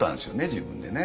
自分でね。